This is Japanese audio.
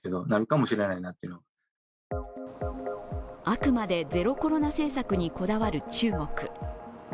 あくまでゼロコロナ政策にこだわる中国。